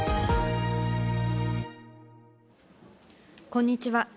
こんにちは。